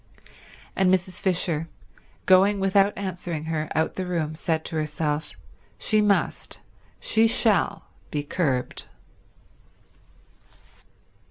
And Mrs. Fisher, going without answering her out the room, said to herself, "She must, she shall be curbed."